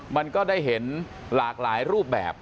มันก็ได้เห็นหลากหลายรูปแบบ